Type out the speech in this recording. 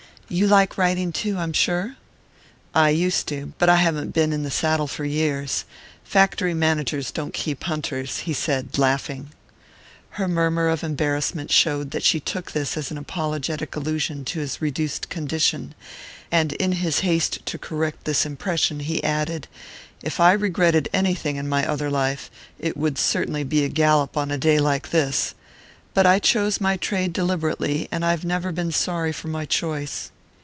"You like riding too, I'm sure?" "I used to; but I haven't been in the saddle for years. Factory managers don't keep hunters," he said laughing. Her murmur of embarrassment showed that she took this as an apologetic allusion to his reduced condition, and in his haste to correct this impression he added: "If I regretted anything in my other life, it would certainly be a gallop on a day like this; but I chose my trade deliberately, and I've never been sorry for my choice."